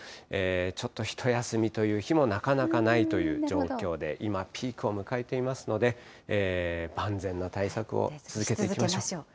ちょっとひと休みという日もなかなかないという状況で、今、ピークを迎えていますので、万全な対策を続けていきましょう。